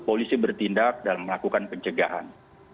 polisi bertindak dalam melakukan pencegahan